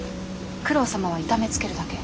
九郎様は痛めつけるだけ。